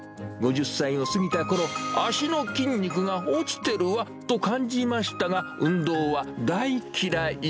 ５０歳を過ぎたころ、脚の筋力が落ちてるわと感じましたが、運動は大嫌い。